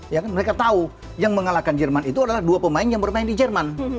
ya kan mereka tahu yang mengalahkan jerman itu adalah dua pemain yang bermain di jerman